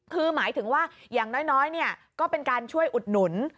คือหมายถึงว่าอย่างน้อยก็เป็นการช่วยอุดหนุน